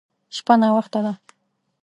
شپه ناوخته ده.